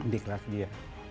di kelas dia